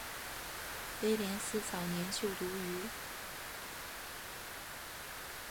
威廉斯早年就读于。